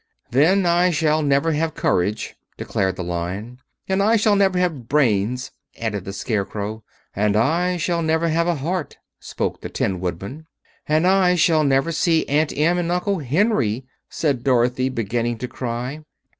"Then I shall never have courage," declared the Lion. "And I shall never have brains," added the Scarecrow. "And I shall never have a heart," spoke the Tin Woodman. "And I shall never see Aunt Em and Uncle Henry," said Dorothy, beginning to cry.